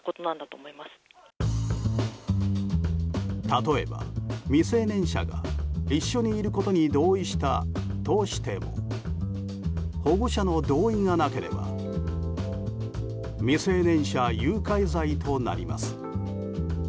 例えば、未成年者が一緒にいることに同意したとしても保護者の同意がなければ未成年者誘拐罪となります。